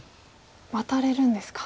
ワタれるんですか。